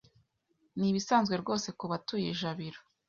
Nibisanzwe rwose kubatuye ijabiro